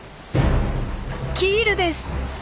キールです！